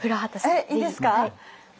えいいですか？